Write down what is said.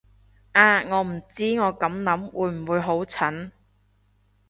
啊，我唔知我咁諗會唔會好蠢